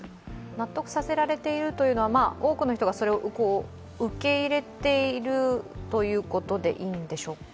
納得させられているというのは、多くの人がそれを受け入れているということでいいんでしょうか。